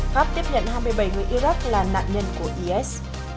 pháp tiếp nhận hai mươi bảy người iraq là nạn nhân của is